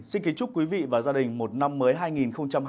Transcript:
xin kính chúc quý vị và gia đình một năm mới hai nghìn hai mươi bốn